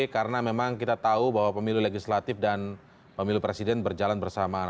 karena memang kita tahu bahwa pemilu legislatif dan pemilu presiden berjalan bersamaan